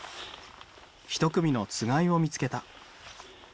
１組のつがいを見つけた。